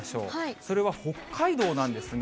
それは北海道なんですが。